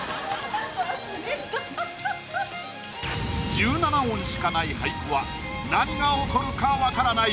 １７音しかない俳句は何が起こるか分からない。